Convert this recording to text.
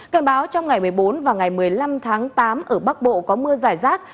cảnh báo trong ngày một mươi bốn và ngày một mươi năm tháng tám ở bắc bộ có mưa giải rác